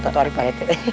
tadi pak rete